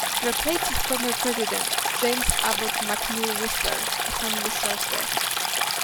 He replaced its former president, James Abbott McNeill Whistler, upon Whistler's death.